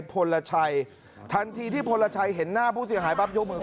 พลชัยทันทีที่พลชัยเห็นหน้าผู้เสียหายปั๊บยกมือ